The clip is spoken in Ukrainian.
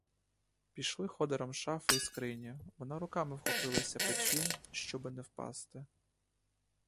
Пішли ходором шафи й скрині, вона руками вхопилася печі, щоби не впасти.